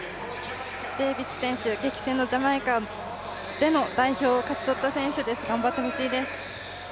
デービス選手、激戦のジャマイカでの代表を勝ち取った選手です。